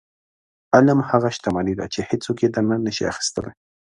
• علم هغه شتمني ده چې هیڅوک یې درنه نشي اخیستلی.